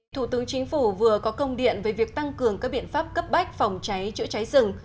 thủ tướng chính phủ vừa có công điện về việc tăng cường các biện pháp cấp bách phòng cháy chữa cháy rừng